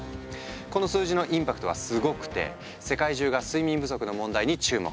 この数字のインパクトはすごくて世界中が睡眠不足の問題に注目。